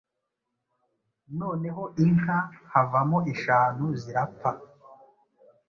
Noneho inka havamo eshanu zirapfa